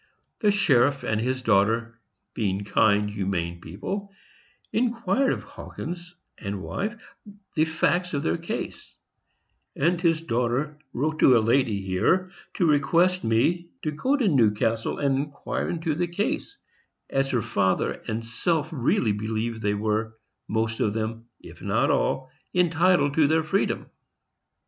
The sheriff and his daughter, being kind, humane people, inquired of Hawkins and wife the facts of their case; and his daughter wrote to a lady here, to request me to go to Newcastle and inquire into the case, as her father and self really believed they were most of them, if not all, entitled to their freedom.